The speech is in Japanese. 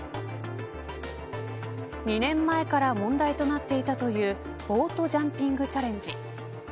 ２年前から問題となっていたというボート・ジャンピング・チャレンジ。